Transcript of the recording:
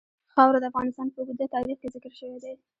خاوره د افغانستان په اوږده تاریخ کې ذکر شوی دی.